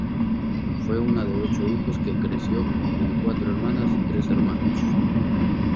Fue una de ocho hijos que creció con cuatro hermanas y tres hermanos.